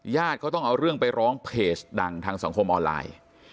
ก็ต้องเอาเรื่องไปร้องเพจดังทางสังคมออนไลน์